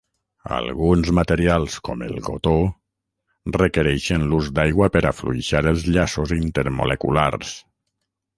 Alguns materials com el cotó requereixen l'ús d'aigua per afluixar els llaços intermoleculars.